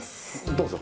どうぞ。